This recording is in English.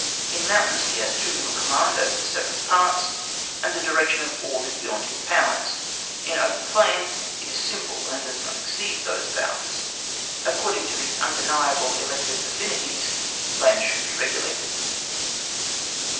In mountains he has too little command over the separate parts, and the direction of all is beyond his powers; in open plains it is simple and does not exceed those powers. According to these undeniable elective affinities, plans should be regulated.